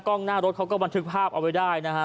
หน้ารถเขาก็บันทึกภาพเอาไว้ได้นะฮะ